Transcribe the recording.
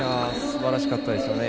すばらしかったですよね。